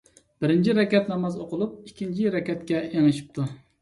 بىرىنچى رەكەت ناماز ئوقۇلۇپ، ئىككىنچى رەكەتكە ئېڭىشىپتۇ.